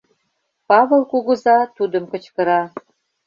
— Павыл кугыза тудым кычкыра.